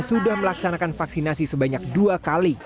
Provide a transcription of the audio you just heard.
sudah melaksanakan vaksinasi sebanyak dua kali